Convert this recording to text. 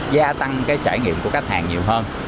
gia tăng trải nghiệm của khách hàng nhiều hơn